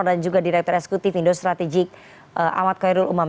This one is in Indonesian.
dan juga direktur eksekutif indosrategik ahmad khairul umam